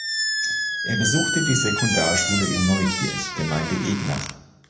Er besuchte die Sekundarschule in Neukirch (Gemeinde Egnach).